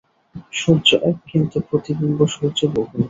সূর্য এক, কিন্তু প্রতিবিম্ব-সূর্য বহু।